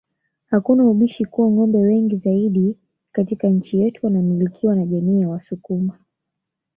Hakuna ubishi kuwa ngombe wengi zaidi katika nchi yetu wanamilikiwa na jamii ya wasukuma